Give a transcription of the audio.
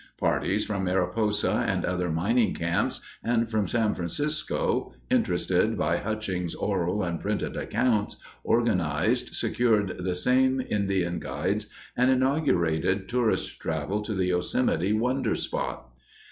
Parties from Mariposa and other mining camps, and from San Francisco, interested by Hutchings' oral and printed accounts, organized, secured the same Indian guides, and inaugurated tourist travel to the Yosemite wonder spot.